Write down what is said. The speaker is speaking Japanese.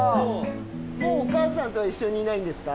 もうお母さんとは一緒にいないんですか？